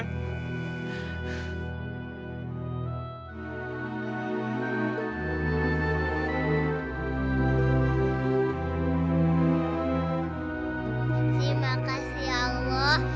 terima kasih allah